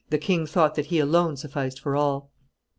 The king thought that he alone sufficed for all.